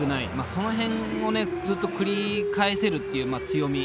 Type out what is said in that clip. その辺をずっと繰り返せるっていう強み